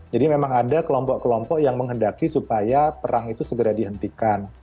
jadi memang ada kelompok kelompok yang menghendaki supaya perang itu segera dihentikan